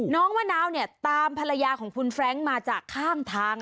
มะนาวเนี่ยตามภรรยาของคุณแฟรงค์มาจากข้างทาง